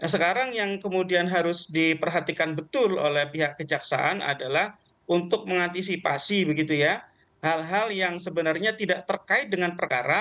nah sekarang yang kemudian harus diperhatikan betul oleh pihak kejaksaan adalah untuk mengantisipasi begitu ya hal hal yang sebenarnya tidak terkait dengan perkara